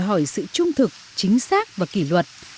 hỏi sự trung thực chính xác và kỷ luật